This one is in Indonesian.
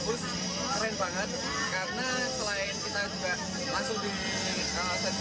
bus keren banget karena selain kita juga langsung di kawasan